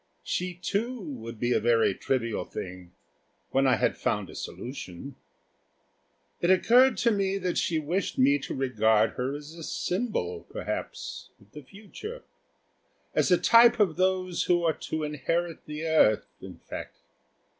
She, too, would be a very trivial thing when I had found a solution. It occurred to me that she wished me to regard her as a symbol, perhaps, of the future as a type of those who are to inherit the earth, in fact.